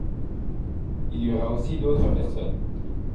Il y aura aussi d'autres personnes ?